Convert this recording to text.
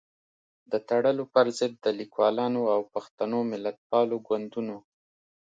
د تړلو پر ضد د ليکوالانو او پښتنو ملتپالو ګوندونو